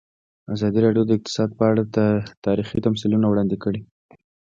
ازادي راډیو د اقتصاد په اړه تاریخي تمثیلونه وړاندې کړي.